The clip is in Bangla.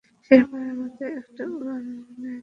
শেষবারের মতো একটা উড়ান নেয়া যাক।